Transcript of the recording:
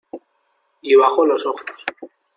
Y bajó los ojos.